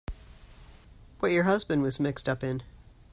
What your husband was mixed up in.